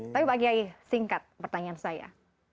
tapi pak kiai singkat pertanyaan saya